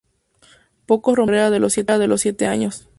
Pocos rompieron la barrera de los siete años.